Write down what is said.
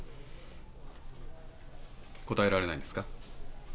答えられないんですか？